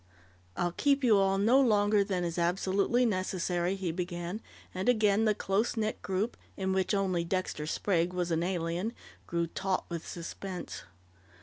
"I'll keep you all no longer than is absolutely necessary," he began, and again the close knit group in which only Dexter Sprague was an alien grew taut with suspense.